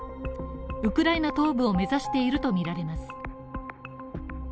ウクライナ東部を目指しているとみられます。